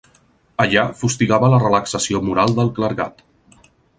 Allà fustigava la relaxació moral del clergat.